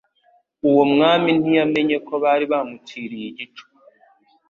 uwo mwami ntiyamenye ko bari bamuciriye igico